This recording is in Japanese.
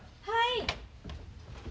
はい。